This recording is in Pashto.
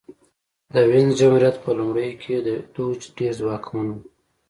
د وینز جمهوریت په لومړیو کې دوج ډېر ځواکمن و